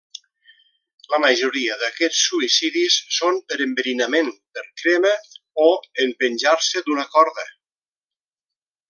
La majoria d'aquests suïcidis són per enverinament, per crema o en penjar-se d'una corda.